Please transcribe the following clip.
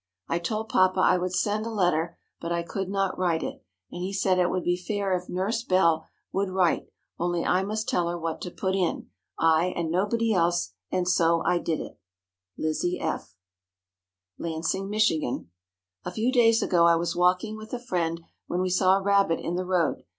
I told papa I would send a letter, but I could not write it, and he said it would be fair if Nurse Belle would write, only I must tell her what to put in I and nobody else and so I did it. LIZZIE F. LANSING, MICHIGAN. A few days ago I was walking with a friend when we saw a rabbit in the road.